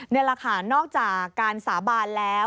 นี่แหละค่ะนอกจากการสาบานแล้ว